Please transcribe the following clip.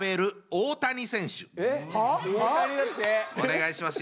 お願いします。